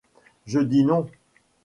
Je dis non.